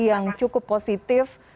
yang cukup positif